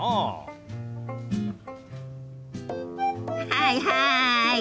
はいはい！